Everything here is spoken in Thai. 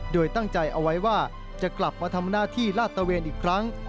โดยตั้งใจเอาไว้ว่าจะกลับมาทำหน้าที่ลาดตะเวนอีกครั้ง